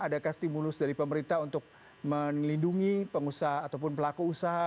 adakah stimulus dari pemerintah untuk melindungi pengusaha ataupun pelaku usaha